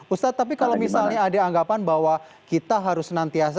ustadz tapi kalau misalnya ada anggapan bahwa kita harus senantiasa